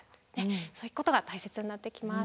そういうことが大切になってきます。